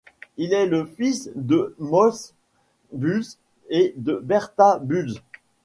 Il est le fils de Moshe Bulz et de Berta Bulz.